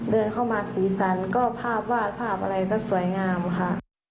เดินเข้ามาสีสันก็ภาพวาดภาพอะไรก็สวยงามค่ะ